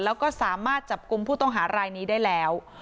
แล้วก็สามารถจับกลุ่มผู้ต้องหารายนี้ได้แล้ว